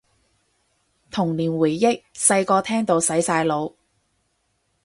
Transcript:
童年回憶，細個聽到洗晒腦